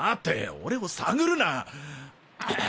俺を探るな！